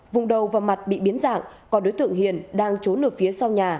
vùng đầu và mặt bị biến dạng còn đối tượng hiền đang trốn ở phía sau nhà